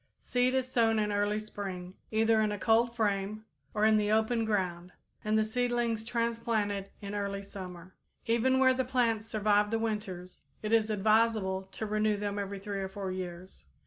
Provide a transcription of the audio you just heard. Seed is sown in early spring, either in a cold frame or in the open ground, and the seedlings transplanted in early summer. Even where the plants survive the winters, it is advisable to renew them every three or four years.